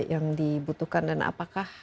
yang dibutuhkan dan apakah